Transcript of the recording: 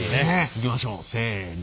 いきましょうせの。